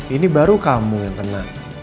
ini baru kamu yang kena